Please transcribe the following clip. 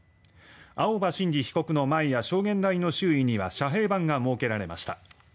青葉真司被告の前や証言台の周囲には遮へい板が設けられました。